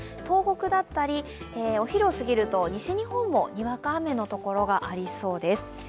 東北だったり、お昼をすぎると西日本もにわか雨の所がありそうです。